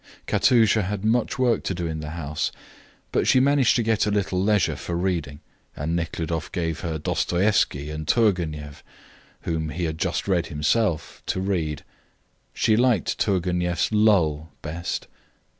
Katusha had much work to do in the house, but she managed to get a little leisure for reading, and Nekhludoff gave her Dostoievsky and Tourgeneff (whom he had just read himself) to read. She liked Tourgeneff's Lull best.